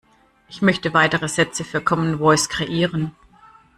Ich möchte weitere Sätze für Common Voice kreieren.